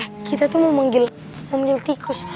eh kita tuh mau manggil tikus